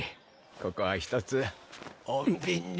ここは一つ穏便に。